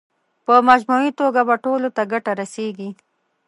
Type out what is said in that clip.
په مجموعي توګه به ټولو ته ګټه رسېږي.